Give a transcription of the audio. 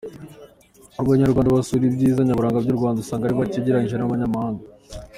Abanyarwanda basura ibyiza nyaburanga by’u Rwanda usanga ari bake ugereranyije n’abanyamahanga.